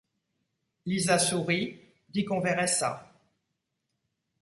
Lisa sourit, dit qu’on verrait ça.